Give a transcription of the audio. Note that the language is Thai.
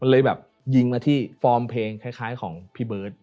เลยแบบยิงมาที่ฟอร์มเพลงคล้ายของพี่เบิร์ต